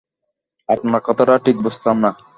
আপনার কথাটা ঠিক বুঝলাম না!